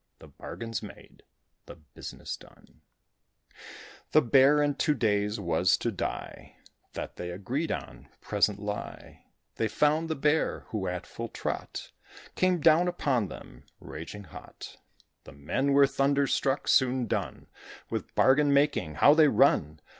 The bargain's made, the business done, The Bear, in two days, was to die That they agreed on, presently. They found the Bear, who, at full trot, Came down upon them, raging hot. The men were thunder struck; soon done With bargain making, how they run!